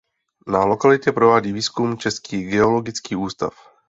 Na lokalitě provádí výzkum Český geologický ústav.